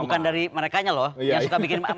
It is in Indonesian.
bukan dari mereka nya loh yang suka bikin